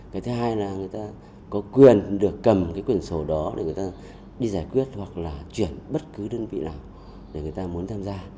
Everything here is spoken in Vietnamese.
cái thứ hai là người ta có quyền được cầm cái quyền sổ đó để người ta đi giải quyết hoặc là chuyển bất cứ đơn vị nào để người ta muốn tham gia